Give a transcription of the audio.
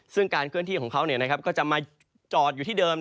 ซึ่งการเคลื่อนที่ของเขาก็จะมาจอดอยู่ที่เดิม